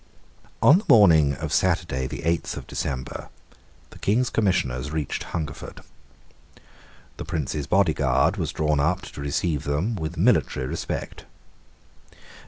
On the morning of Saturday, the eighth of December, the King's Commissioners reached Hungerford. The Prince's body guard was drawn up to receive them with military respect.